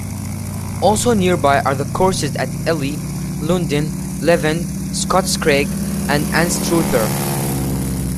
Also nearby are the courses at Elie, Lundin, Leven, Scotscraig and Anstruther.